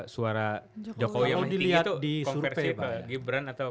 suara jokowi yang penting itu